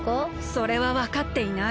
それはわかっていない。